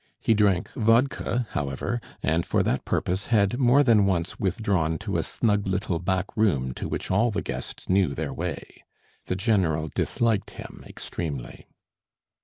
He drank vodka, however, and for that purpose had more than once withdrawn to a snug little back room to which all the guests knew their way. The general disliked him extremely.